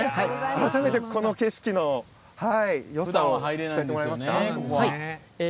改めて、この景色のよさを伝えてもらいますか。